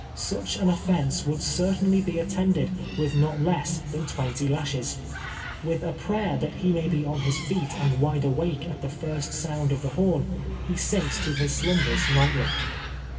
Such an offence would certainly be attended with not less than twenty lashes. With a prayer that he may be on his feet and w ide awake at the first sound of the horn, he sinks to his slumbers nightly.